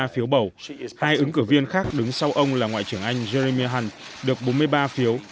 ba trăm một mươi ba phiếu bầu hai ứng cử viên khác đứng sau ông là ngoại trưởng anh jeremia hunt được bốn mươi ba phiếu